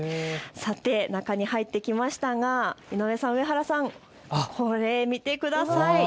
中に入ってきましたが井上さん、上原さん、これ見てください。